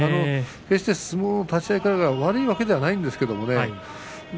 決して相撲立ち合いが悪いわけではないんですよね。